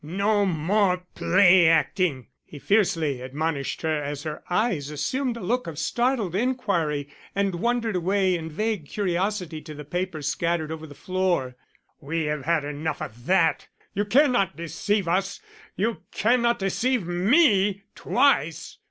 no more play acting," he fiercely admonished her, as her eyes assumed a look of startled inquiry and wandered away in vague curiosity to the papers scattered over the floor "we have had enough of that; you cannot deceive us you cannot deceive me twice.